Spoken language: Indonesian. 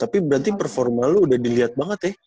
tapi berarti performa lo udah dilihat banget ya